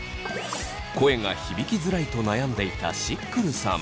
声が響きづらいと悩んでいたしっくるさん。